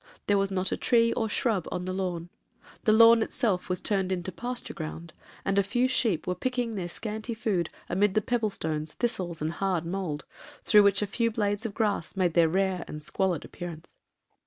There was not a tree or shrub on the lawn; the lawn itself was turned into pasture ground, and a few sheep were picking their scanty food amid the pebblestones, thistles, and hard mould, through which a few blades of grass made their rare and squalid appearance.